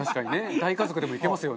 大家族でもいけますよね。